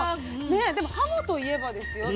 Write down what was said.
でもはもといえばですよ